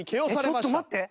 えっちょっと待って。